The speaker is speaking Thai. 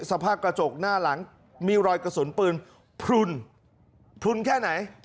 สภาพกระจกหน้าหลังมีรอยกระสุนปืนพลุนพลุนแค่ไหน